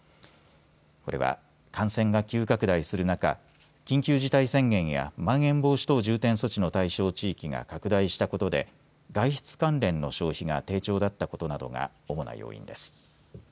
これは感染が急拡大する中、緊急事態宣言やまん延防止等重点措置の対象地域が拡大したことで外出関連の消費が低調だったことなどが主な要因です。